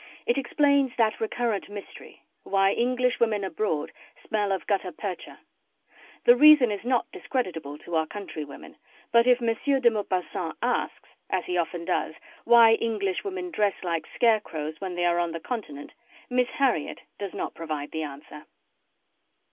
It explains that recurrent mystery, why Englishwomen abroad smell of gutta percha. The reason is not discreditable to our countrywomen, but if M. de Maupassant asks, as he often does, why Englishwomen dress like scarecrows when they are on the Continent, Miss Harriet does not provide the answer.